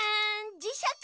じしゃく？